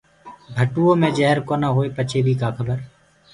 ڀٽوئو مي جهر تو ڪونآ هوئي پچي بي ڪآ کبر؟